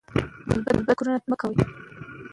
مېرمن بینتهاوس د فضایي سفر لپاره ځانګړي تجهیزات وکارول.